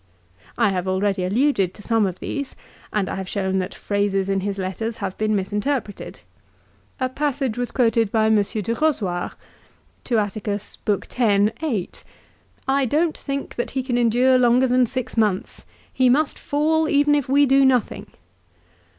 I have already alluded to some of these and have shown that phrases in his letters have been mis interpreted. A passage was quoted by M. Du Rozoir, Ad Att. lib. x. 8, "I don't think that he can endure longer than six months. He must fall, even if we do nothing."